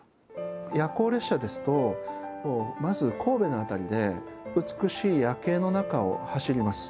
夜行列車ですとまず神戸の辺りで美しい夜景の中を走ります。